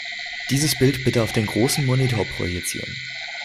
Dieses Bild bitte auf den großen Monitor projizieren.